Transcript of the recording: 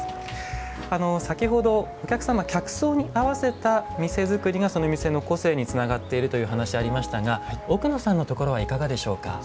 先ほどお客様客層に合わせた店作りがその店の個性につながっているという話ありましたが奥野さんのところはいかがでしょうか？